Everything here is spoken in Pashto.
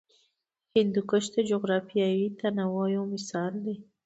هندوکش د جغرافیوي تنوع یو مثال دی.